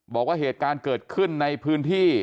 บอกว่าเหตุการณ์เกิดขึ้นในพื้นที่